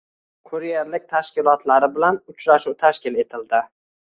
Kurerlik tashkilotlari bilan uchrashuv tashkil etildi